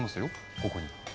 ここに。